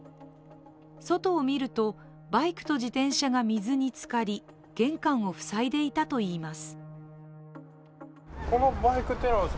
外を見ると、バイクと自転車が水につかり玄関を塞いでいたといいます。